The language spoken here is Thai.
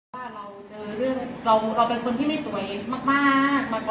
คือแบบว่าเราเป็นคนที่ไม่สวยมาก